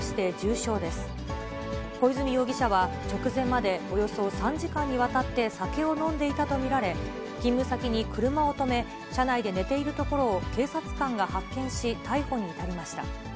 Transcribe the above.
小泉容疑者は直前まで、およそ３時間にわたって酒を飲んでいたと見られ、勤務先に車を止め、車内で寝ているところを警察官が発見し、逮捕に至りました。